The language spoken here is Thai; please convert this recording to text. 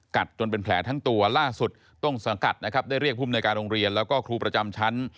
จนเป็นแผลทั้งตัวล่าสุดต้นสังกัดนะครับได้เรียกภูมิในการโรงเรียนแล้วก็ครูประจำชั้น